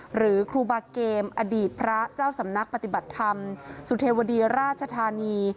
หรือครูบาเกมอดีตพระเจ้าสำนักปฏิบัติธรรมสุเทวดีราชธานี